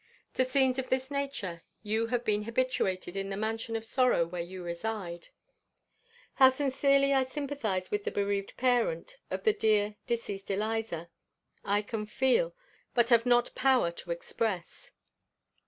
To scenes of this nature you have been habituated in the mansion of sorrow where you reside. How sincerely I sympathize with the bereaved parent of the dear, deceased Eliza, I can feel, but have not power to express.